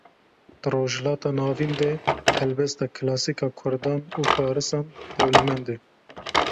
Di rojhilata navîn de helbesta kilasîk a Kurdan û farisan dewlemend e